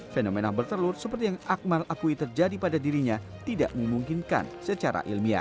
fenomena bertelur seperti yang akmal akui terjadi pada dirinya tidak memungkinkan secara ilmiah